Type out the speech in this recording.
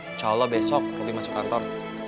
insya allah besok roby masuk kantor